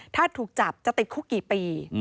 ถ้าถูกจับจะติดคุกกี่ปี